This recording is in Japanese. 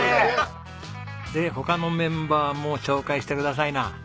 で他のメンバーも紹介してくださいな！